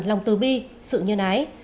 lòng tư bi sự nhân ái